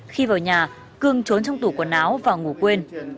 khi vào nhà cương trốn trong tủ quần áo và ngủ quên